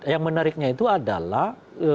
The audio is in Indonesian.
yang menariknya itu adalah